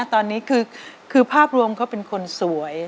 ตอนนี้คือภาพรวมเขาเป็นคนสวย